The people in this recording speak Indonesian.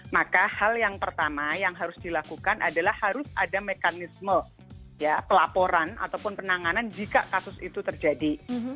maka hal yang pertama yang harus dilakukan adalah harus ada mekanisme pelaporan ataupun penanganan jika kasus itu terjadi